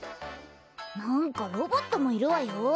なんかロボットもいるわよ。